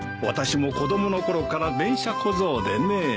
私も子供のころから電車小僧でね。